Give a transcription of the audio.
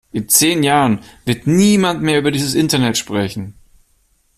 In zehn Jahren wird niemand mehr über dieses Internet sprechen!